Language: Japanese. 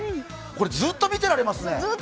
ずっと見てられますね。